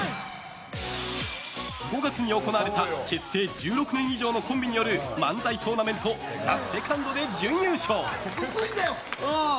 ５月に行われた結成１６年以上のコンビによる漫才トーナメント「ＴＨＥＳＥＣＯＮＤ」で準優勝！